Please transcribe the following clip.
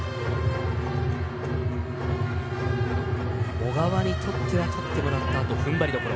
小川にとっては取ってもらったあとふんばりどころ。